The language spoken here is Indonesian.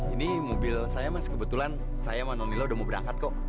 ini mobil saya mas kebetulan saya sama nonila udah mau berangkat kok